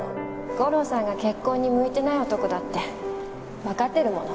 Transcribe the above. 五郎さんが結婚に向いてない男だってわかってるもの。